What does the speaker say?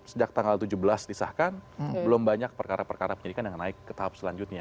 sejak tanggal tujuh belas disahkan belum banyak perkara perkara penyelidikan yang naik ke tahap selanjutnya